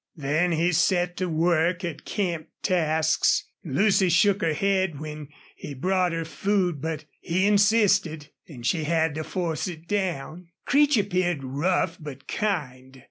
Then he set to work at camp tasks. Lucy shook her head when he brought her food, but he insisted, and she had to force it down. Creech appeared rough but kind.